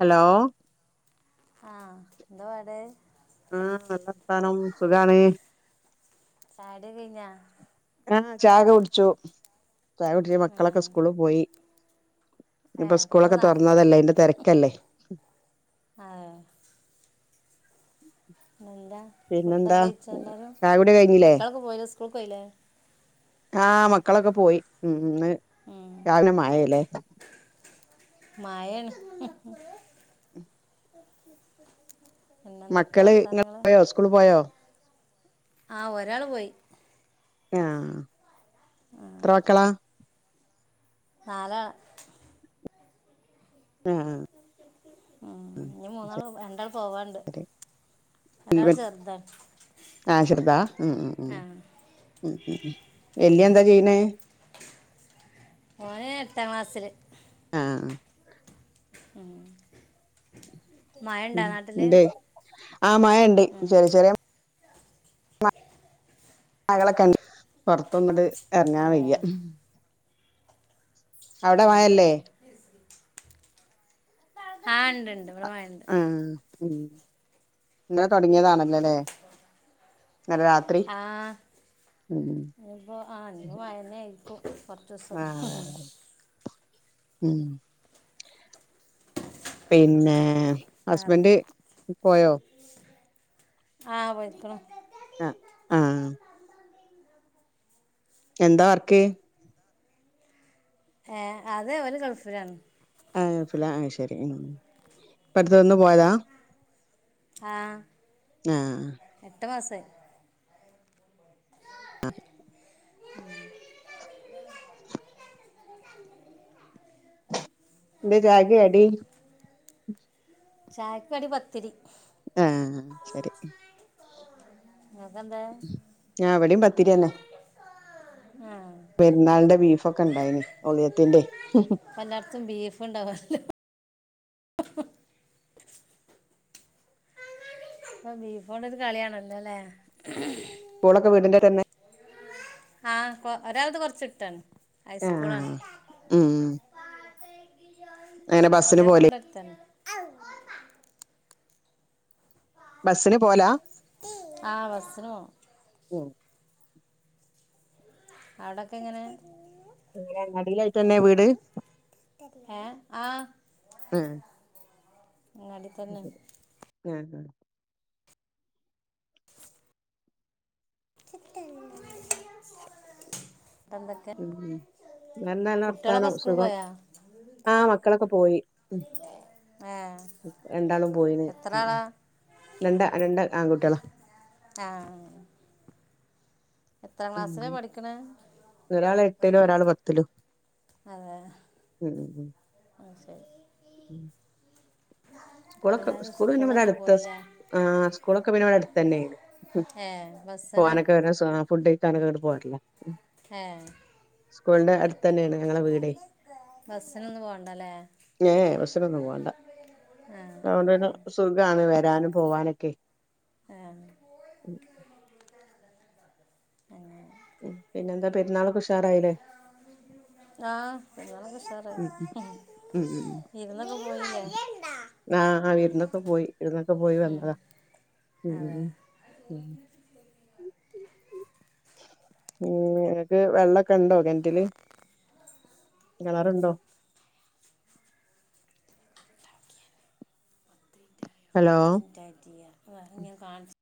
Hello ആ ന്തുവാടെ ആ നല്ലർഥാനം സുഖാണ് ചായുടി കഴിഞ്ഞാ ചായ ക്കെ കുടിച്ചു ചായ കുടിച്ച് മക്കളൊക്കെ ആഹ് സ്കൂൾ പോയി ഇപ്പോ ഏഹ് എത്ര സ്കൂളൊക്കെ നേർത്തെ തുറന്നതല്ലേ അതിന്റെ തെരക്കല്ലേ. ആ ഫുഡൊക്കെ പിന്നെന്താ കഴിച്ച എല്ലാവരും ചായ കുടി കഴിഞ്ഞില്ലേ കുട്ടികളൊക്കെ പോയ [inaudible] സ്കൂളിൽ പോയില്ലേ ആഹ മക്കളൊക്കെ പോയി ഇന്ന് ഉം [inaudible] രാവിലെ മഴാല്ലേ മയാണ് മക്കൾ ഇങ്ങെ പോയോ സ്കൂൾ പോയോ ആ ഒരാള് പോയി ആ എത്ര മക്കള നാലാള ആ ഉം ആ ഇനി മൂന്നാള് രണ്ടാള് പോവാണ്ട് ഒരാള് ചെറുതാണ് [inaudible] ആ ചെറുതാ ആഹ് വലിയ എന്താ ചെയ്യണേ ഓനെ എട്ടാം ക്ലാസിൽ ആഹ് ഉം മഴണ്ടാ നാട്ടില് ഉണ്ടേ ആ മഴയുണ്ട് ഉം ചെറിയ ചെറിയ മയകളൊക്കെ ണ്ട് പുറത്തൊങ്ങട് ഇറങ്ങാൻ അതെ വയ്യ അവിടെ ആഹ് മഴയില്ലേ ആഹ് ആ ഉണ്ട് ഉണ്ട് ഇവിടെ മഴയുണ്ട് ആഹ് ഉം ഇന്നലെ തുടങ്ങിയതാണല്ലേ ല്ലേ ആ ഉം ഇനിയിപ്പോ ആ ഇനി മഴ തന്നെ ആയിരിക്കും കുറച്ചു ദിവസം ആഹ് അതെ അതെ ഉം പിന്നെ ആറ് ഹസ്ബൻഡ് പോയോ ആഹ് [unintelligible] ആ ആ എന്താ വർക്ക് ഏ അത് അവര് ഗൾഫിലാണ് ആ ശരി ഇപ്പടുത്തൊന്ന് പോയതാ ആ ആ മാസമായി അ മം [unintelligible] എന്താ ചായക്ക് കടി [unintelligible] ചായക്ക് കടി പത്തിരി ആ ശരി നിങ്ങക്കെന്താ ആ ഇവിടെ പത്തിരി തന്നെ ആ പെരുന്നാളിന്റെ ബീഫൊക്കെ ഉണ്ടായിന്ന് ഒളിയത്തിന്റെ ഇപ്പ എല്ലായിടത്തും ബീഫ് ഉണ്ടാവുമല്ലോ ആ ബീഫ്‌യോടെ ഒരു കളിയണല്ലോല്ലേ സ്കൂളൊക്കെ വീടിന്റെ തന്നെ ആ ഒരാള്ത കുറച്ചേ അടുത്താണ് ആ ഉം എങ്ങനെ ബസ്സിന് മറ്റൊക്കെ പോവല് ഇവിടെ അടുത്തന്നെ ബസിന് പോല ആ ബസിന് പോകും പോം അവിടൊക്കെ എങ്ങനെ എങ്ങനെ നടിലായിട്ട് തന്നെ വീട് ഏ ആ ഏ അങ്ങാടി അതെ തന്നെ ശരി ഹ ഹ ച [unintelligible] ഉം നല്ല കുട്ടികളൊക്കെ വർത്താനം സ്കൂൾ സുഖം പോയാ ആ മക്കളൊക്കെ പോയി ഏ രണ്ടാളും പോയിനെ എത്ര ആളാ രണ്ട് രണ്ട് ആൺകുട്ടികളോ ആ എത്രാം ഉം ക്ലാസ്സിലാ പഠിക്കണേ ഒരാൾ എട്ടിലും ഒരാൾ പത്തിലും ആയെശരി അപ്പം സ്കൂളൊക്കെ എല്ലാവരും സ്കൂൾ പിന്നെവിടെ സ്കൂളിലൊക്കെ അടുത്ത് പോയില്ലേ ആ സ്കൂളൊക്കെ പിന്നെ ഇവിടെ അടുത്ത് തന്നെയ ആ ഏ ബസ്സിന് പോവാനൊക്കെ വരാം ഫുഡ് കഴിക്കാനൊക്കെ പോവാ [unintelligible] ഏ സ്കൂളിന്റെ അടുത്ത തന്നെയാണ് ഞങ്ങടെ വീടെ ബസ്സിനൊന്നും പോകണ്ടല്ലേ ഏ ബസിനൊന്നും പോണ്ട ആ ആ അതുകൊണ്ട് പിന്നെ സുഖമാണ് വരാനും പോവാ അനക്കെ ആഹ് അങ്ങനെ പിന്നെന്താ പെരുന്നാൾക്കെ ഉഷാറായില്ലേ ആഹ് പെരുന്നാൾഒക്കെ ഉഷാ ഉം ഉം ഉം വിരുന്നൊക്കെ പോയില്ലേ ഉം ആഹ് വിരുന്നൊക്കെ പോയി വിരുന്നൊക്കെ പോയി ഉം. വന്നതാ ഉം അതെ ഉം ഉം ഓ ഇങ്ങക്ക് വെള്ളക്കെ ഇണ്ടോ കേണറ്റില് കേണറെയുണ്ടോ ഹലോ തിറ്ററ്റിയ വ ഇങ്ങെ കാണിച്ച്